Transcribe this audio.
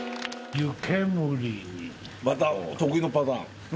また得意のパターン？